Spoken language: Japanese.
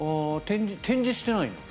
展示してないんだ。